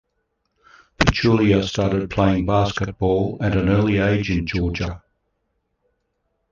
Pachulia started playing basketball at an early age in Georgia.